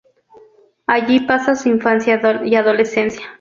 Allí pasa su infancia y adolescencia.